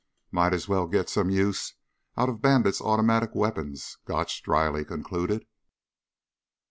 "Might as well get some use out of Bandit's automatic weapons," Gotch dryly concluded.